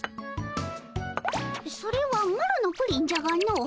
それはマロのプリンじゃがの。